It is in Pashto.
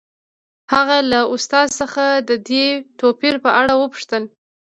هغه له استاد څخه د دې توپیر په اړه وپوښتل